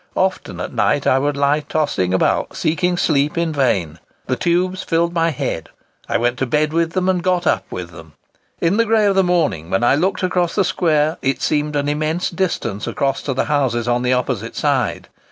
Often at night I would lie tossing about, seeking sleep in vain. The tubes filled my head. I went to bed with them and got up with them. In the grey of the morning, when I looked across the Square, it seemed an immense distance across to the houses on the opposite side.